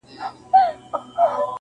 زه به د وخت له کومي ستړي ريشا وژاړمه.